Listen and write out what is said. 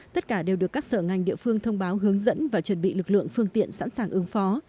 tất cả đều được các sở ngành địa phương thông báo hướng dẫn và chuẩn bị lực lượng phương tiện sẵn sàng ứng phó